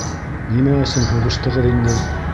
Нимә өсөн һуғыштығыҙ инде?